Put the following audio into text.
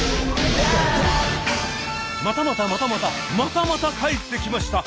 またまたまたまたまたまた帰ってきました！